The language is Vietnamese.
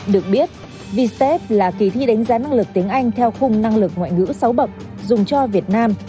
được biết vtep là kỳ thi đánh giá năng lực tiếng anh theo khung năng lực ngoại ngữ sáu bậc dùng cho việt nam